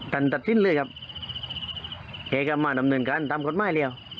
กันตัดสิ้นเลยครับเอกอร์มาตรับหนึ่งกันตามพอไม้เรียว